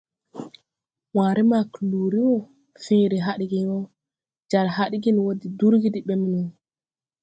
Wããre ma kluuri wɔ feere hadgen wɔ, jar hadgen wɔ de durgi de ɓɛ mono.